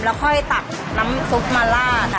แล้วค่อยตักน้ำซุปมาลาด